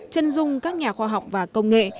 chân dung các nhà khoa học và công nghệ